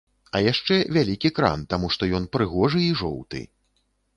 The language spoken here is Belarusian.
А яшчэ вялікі кран, таму што ён прыгожы і жоўты.